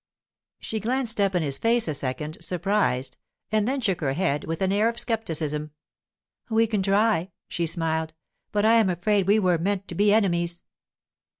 She glanced up in his face a second, surprised, and then shook her head with an air of scepticism. 'We can try,' she smiled, 'but I am afraid we were meant to be enemies.